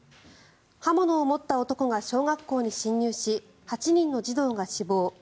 刃物を持った男が小学校に侵入し８人の児童が死亡。